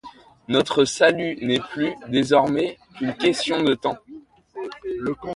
Notre salut n’est plus, désormais, qu’une question de temps!